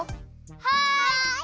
はい！